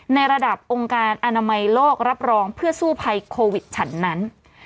ในระดับองค์การอนามัยโลกรับรองเพื่อสู้ภัยโควิดฉันนั้น